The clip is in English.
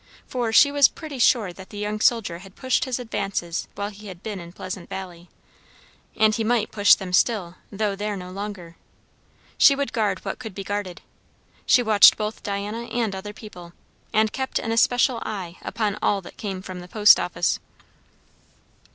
For she was pretty sure that the young soldier had pushed his advances while he had been in Pleasant Valley; and he might push them still, though there no longer. She would guard what could be guarded. She watched both Diana and other people, and kept an especial eye upon all that came from the post office.